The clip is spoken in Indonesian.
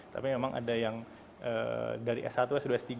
tapi memang ada yang dari s satu s dua s tiga